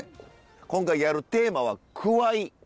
今回やるテーマはくわい。